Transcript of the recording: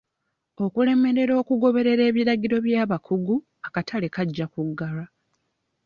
Okulemererwa okugoberera ebiragiro bw'abakugu, akatale kajja kuggalwa.